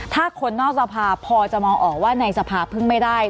ถ้าคนนอกสภาพพอจะมองออกว่าในสภาเพิ่งไม่ได้